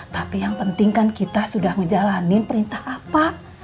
tapi yang penting kan kita sudah ngejalanin perintah apa